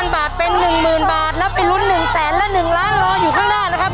บาทเป็น๑๐๐๐บาทแล้วไปลุ้น๑แสนและ๑ล้านรออยู่ข้างหน้านะครับ